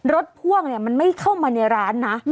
พ่วงมันไม่เข้ามาในร้านนะ